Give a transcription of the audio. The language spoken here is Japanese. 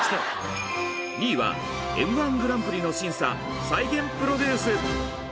２位は「Ｍ−１グランプリ」の審査再現プロデュース！